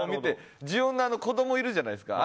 「呪怨」の子供いるじゃないですか